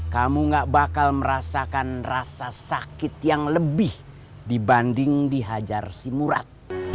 kamu gak bakal merasakan rasa sakit yang lebih dibanding dihajar si murat